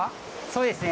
そうですね。